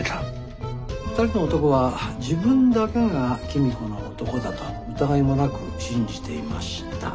２人の男は自分だけが公子の男だと疑いもなく信じていました。